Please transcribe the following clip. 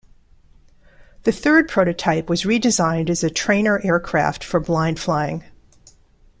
The third prototype was re-designed as a trainer aircraft for blind flying.